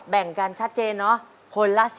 แบ่งกันชัดเจนเนอะคนละ๑๕ถุง